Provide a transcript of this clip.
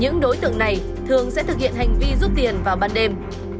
những đối tượng này thường sẽ thực hiện hành vi rút tiền vào ban đêm